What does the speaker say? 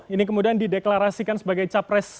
ini kemudian dideklarasikan sebagai capres